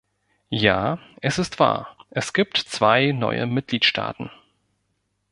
Ja, es ist wahr, es gibt zwei neue Mitgliedstaaten.